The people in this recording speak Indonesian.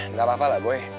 nggak apa apa lah gue